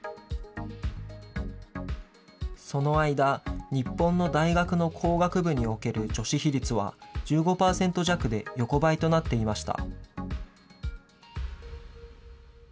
その間、日本の大学の工学部における女子比率は１５％弱で横ばいとなっていました。